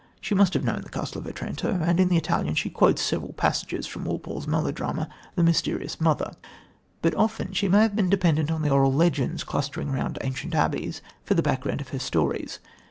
She must have known The Castle of Otranto, and in The Italian she quotes several passages from Walpole's melodrama The Mysterious Mother. But often she may have been dependent on the oral legends clustering round ancient abbeys for the background of her stories.